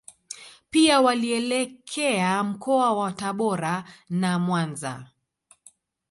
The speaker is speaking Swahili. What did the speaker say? Pia walielekea mkoa wa Tabora na Mwanza